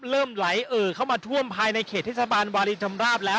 เริ่มไหลเอ่อเข้ามาท่วมภายในเขตเทศบาลวารินชำราบแล้ว